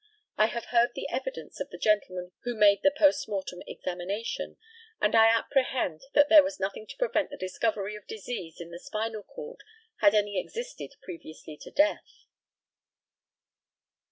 I have heard the evidence of the gentlemen who made the post mortem examination, and I apprehend that there was nothing to prevent the discovery of disease in the spinal cord, had any existed previously to death.